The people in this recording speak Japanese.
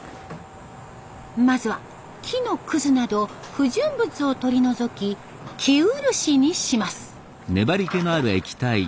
まずは木のくずなど不純物を取り除き生漆にします。